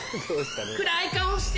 暗い顔して。